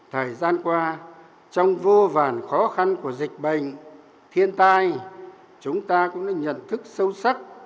thời gian qua trong vô vàn khó khăn của dịch bệnh thiên tai chúng ta cũng đã nhận thức sâu sắc